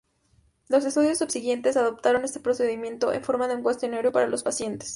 Los estudios subsiguientes adaptaron este procedimiento en forma de un cuestionario para los pacientes.